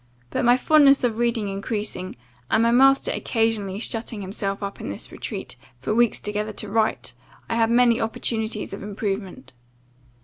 But my fondness of reading increasing, and my master occasionally shutting himself up in this retreat, for weeks together, to write, I had many opportunities of improvement.